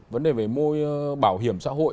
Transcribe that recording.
vấn đề về môi bảo hiểm xã hội